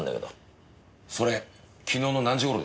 それ昨日の何時ごろですか？